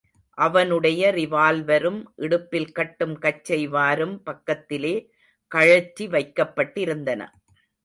அவனுடைய ரிவால்வரும் இடுப்பில் கட்டும் கச்சை வாரும் பக்கத்திலே கழற்றி வைக்கப்பட்டிருந்தன.